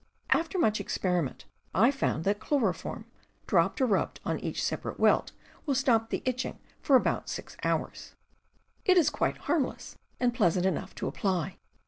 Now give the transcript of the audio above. After much experiment, I found that chloroform, dropped or rubbed on each separate welt, will stop the itching for about six hours. It is quite harmless, and pleasant enough to apply.